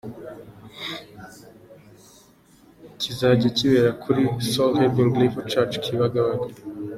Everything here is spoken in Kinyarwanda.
kizajya kibera kuri Soul Healing Revival Church Kibagabaga.